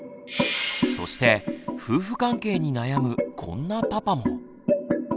そして夫婦関係に悩むこんなパパも。